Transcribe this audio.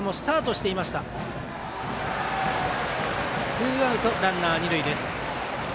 ツーアウト、ランナー、二塁です。